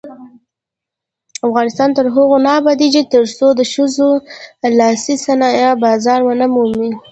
افغانستان تر هغو نه ابادیږي، ترڅو د ښځو لاسي صنایع بازار ونه مومي.